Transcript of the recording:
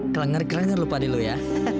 kekuatan lu padi lu ya